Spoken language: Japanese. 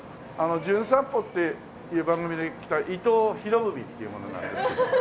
『じゅん散歩』っていう番組で来た伊藤博文っていう者なんですけど。